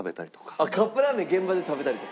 あっカップラーメン現場で食べたりとか？